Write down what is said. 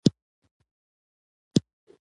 د چین اوسنۍ اقتصادي وده د کل نه دی.